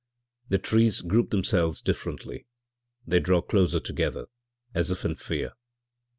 The trees group themselves differently; they draw closer together, as if in fear.